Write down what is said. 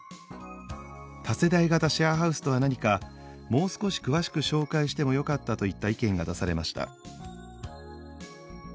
「多世代型シェアハウスとは何かもう少し詳しく紹介してもよかった」といった意見が出されました。